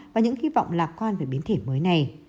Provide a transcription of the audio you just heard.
và những hy vọng lạc quan về biến thể mới này